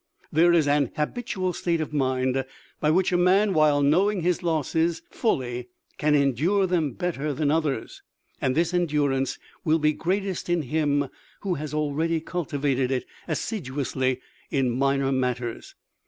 There is an habitual state of mind by which a man while knowing his losses fully can endure them better than others, and this endurance will be greatest in him who has already cultivated it assiduously in minor matters.